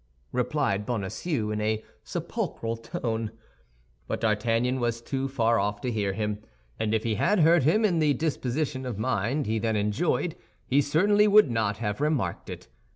replied Bonacieux, in a sepulchral tone. But D'Artagnan was too far off to hear him; and if he had heard him in the disposition of mind he then enjoyed, he certainly would not have remarked it.